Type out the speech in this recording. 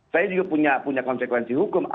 saya juga punya konsekuensi hukum